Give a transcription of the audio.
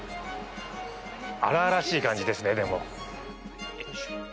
荒々しい感じですね、でも。